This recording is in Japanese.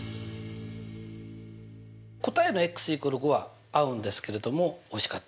答えの＝５は合うんですけれども惜しかったな。